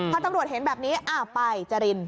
พอตำรวจเห็นแบบนี้อ้าวไปจริน